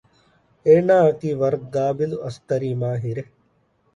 އޭނާއަކީ ވަރަށް ޤާބިލު އަސްކަރީ މާހިރެއް